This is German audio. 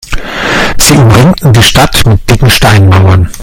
Sie umringten die Stadt mit dicken Steinmauern.